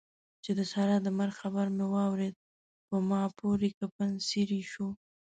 چې د سارا د مرګ خبر مې واورېد؛ په ما پورې کفن څيرې شو.